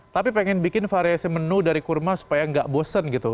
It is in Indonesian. tapi pengen bikin variasi menu dari kurma supaya nggak bosen gitu